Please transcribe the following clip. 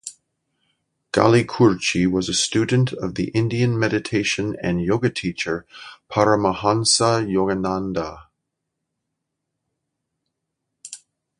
Galli-Curci was a student of the Indian meditation and yoga teacher Paramahansa Yogananda.